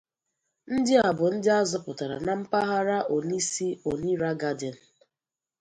Ndị a bụ ndị a zọpụtara na mpaghara 'Onisi Onira Garden'